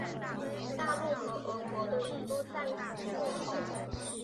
大陆和俄国都一度暂停进口。